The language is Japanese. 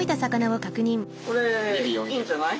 これいいんじゃない。